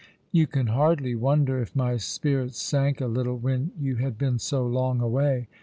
" You can hardly wonder if my spirits sank a little when you had been so long away.